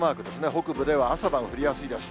北部では朝晩降りやすいです。